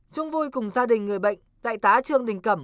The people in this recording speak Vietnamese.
chung vui cùng gia đình người bệnh đại tá trương đình cẩm